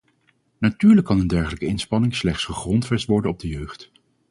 Natuurlijk kan een dergelijke inspanning slechts gegrondvest worden op de jeugd.